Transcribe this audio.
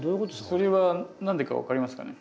それは何でか分かりますかね？